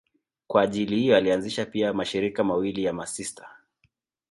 Kwa ajili hiyo alianzisha pia mashirika mawili ya masista.